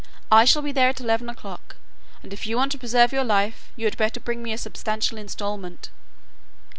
I shall be there at eleven o'clock, and, if you want to preserve your life, you had better bring me a substantial instalment."